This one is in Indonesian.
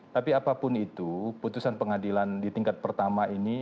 tapi apapun itu putusan pengadilan di tingkat pertama ini